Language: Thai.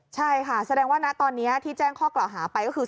ใช่ค่ะแสดงว่าตอนนี้ที่แจ้งข้อกล่าเเหล่าหาไปก็คือ๒คน